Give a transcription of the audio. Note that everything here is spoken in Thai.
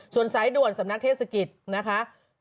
ส่วนสายด่วนสำนักเทศกิจนะคะ